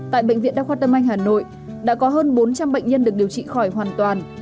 tại bệnh viện đa khoa tâm anh hà nội đã có hơn bốn trăm linh bệnh nhân được điều trị khỏi hoàn toàn